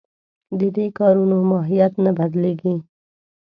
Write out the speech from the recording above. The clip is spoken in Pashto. د دې کارونو ماهیت نه بدلېږي.